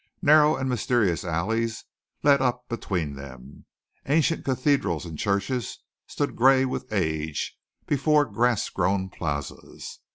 Narrow and mysterious alleys led up between them. Ancient cathedrals and churches stood gray with age before grass grown plazas.